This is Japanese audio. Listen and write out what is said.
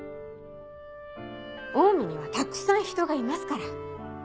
オウミにはたくさん人がいますから。